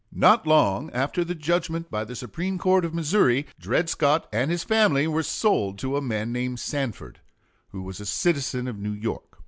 Not long after the judgment by the Supreme Court of Missouri, Dred Scott and his family were sold to a man named Sandford, who was a citizen of New York.